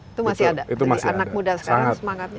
itu masih ada jadi anak muda sekarang semangatnya